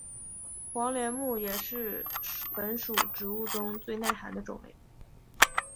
黄连木也是本属植物中最耐寒的种类。